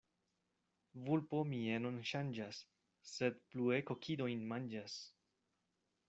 Vulpo mienon ŝanĝas, sed plue kokidojn manĝas.